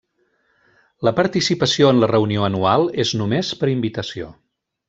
La participació en la Reunió Anual és només per invitació.